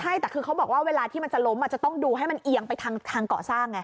ใช่แต่คือเขาบอกว่าเวลาที่มันจะล้มจะต้องดูให้มันเอียงไปทางเกาะสร้างไง